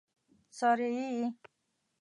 څري يې؟